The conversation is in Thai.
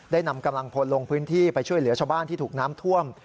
นำกำลังพลลงพื้นที่ไปช่วยเหลือชาวบ้านที่ถูกน้ำท่วม